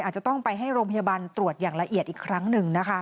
อาจจะต้องไปให้โรงพยาบาลตรวจอย่างละเอียดอีกครั้งหนึ่งนะคะ